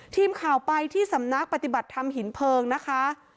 ทีมข่าวไปที่สำนักปฏิบัติธรรมหินเพลิงนะคะ